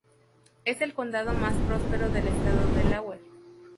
Es el condado más próspero del estado de Delaware.